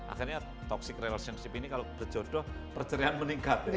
akhirnya toxic relationship ini kalau berjodoh percerian meningkat